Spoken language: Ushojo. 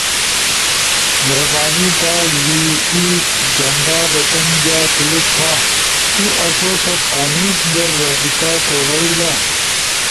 ہربانی تھا یو ای جھنڈا بٹن جا کلک تھا۔ تو آسو ست انیس در رابطہ تھو بئیلا۔